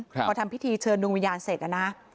พอทำพิธีเชิญดวงวิญญาณเสร็จนะนะ